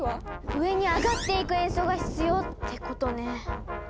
上にあがっていく演奏が必要ってことね。